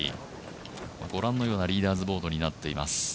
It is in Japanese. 御覧のようなリーダーズボードになっています。